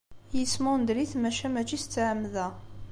Yesmundel-it maca mačči s ttɛemda!